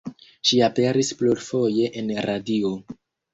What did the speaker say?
Ŝi aperis plurfoje en radio.